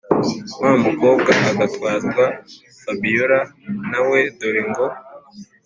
wumukobwa agatwarwa, fabiora nawe dore ngo